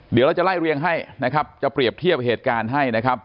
เดี๋ยวเราจะไล่เรียงให้นะครับจะเปรียบเทียบเหตุการณ์ให้นะครับ